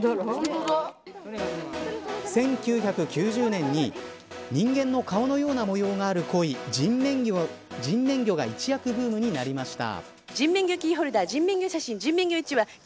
１９９０年に人間の顔のような模様があるコイ人面魚が一躍ブームになりました。